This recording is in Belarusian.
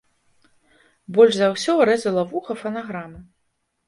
Больш за ўсё рэзала вуха фанаграма.